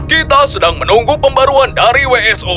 kita sedang menunggu pembaruan dari wso